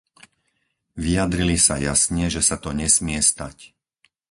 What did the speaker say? Vyjadrili sa jasne, že sa to nesmie stať.